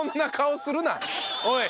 おい！